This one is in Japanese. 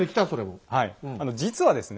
実はですね